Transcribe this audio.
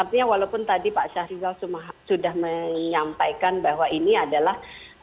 artinya walaupun tadi pak syahrizal sudah menyampaikan bahwa ini adalah